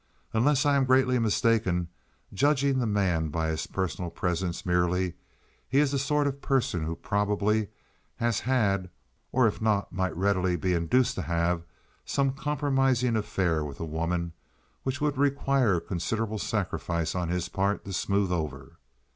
"Unless I am greatly mistaken, judging the man by his personal presence merely, he is the sort of person who probably has had, or if not might readily be induced to have, some compromising affair with a woman which would require considerable sacrifice on his part to smooth over.